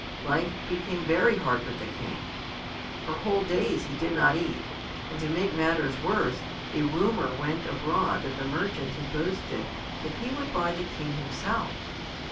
Life became very hard for the King. For whole days he did not eat, and to make matters worse a rumour went abroad that the merchant had boasted that he would buy the King himself.